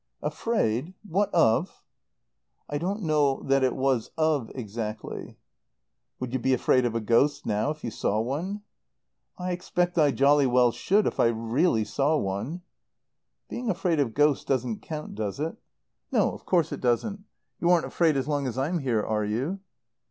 "Afraid what of?" "I don't know that it was 'of' exactly." "Would you be afraid of a ghost, now, if you saw one?" "I expect I jolly well should, if I really saw one." "Being afraid of ghosts doesn't count, does it?" "No, of course it doesn't. You aren't afraid as long as I'm here, are you?"